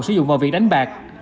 sử dụng vào việc đánh bạc